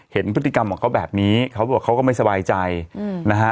เห็นพฤติกรรมของเขาแบบนี้เขาบอกเขาก็ไม่สบายใจนะฮะ